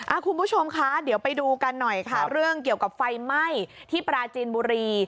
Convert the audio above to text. คุณผู้ชมคะเดี๋ยวไปดูกันหน่อยค่ะเรื่องเกี่ยวกับไฟไหม้ที่ปราจีนบุรี